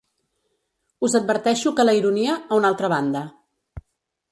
Us adverteixo que la ironia, a una altra banda.